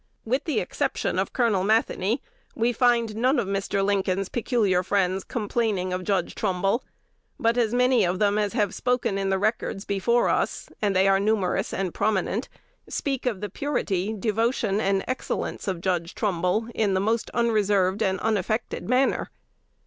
With the exception of Col. Matheny, we find none of Mr. Lincoln's peculiar friends complaining of Judge Trumbull; but as many of them as have spoken in the records before us (and they are numerous and prominent) speak of the purity, devotion, and excellence of Judge Trumbull in the most unreserved and unaffected manner.